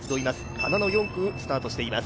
花の４区スタートしています。